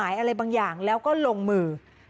อะไรบางอย่างแล้วก็ลงมือ